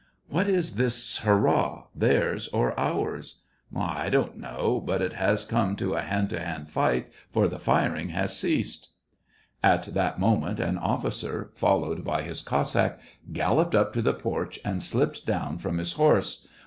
*' What is this hurrah, theirs or ours ?" *'I don't know; but it has come to a hand to hand fight, for the firing has ceased." At that moment, an officer followed by his Cos sack galloped up to the porch, and slipped down from his horse.